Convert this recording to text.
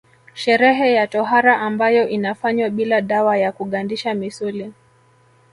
Sherehe ya tohara ambayo inafanywa bila dawa ya kugandisha misuli